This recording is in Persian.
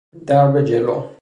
درب جلو